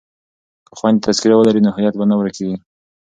که خویندې تذکره ولري نو هویت به نه ورکيږي.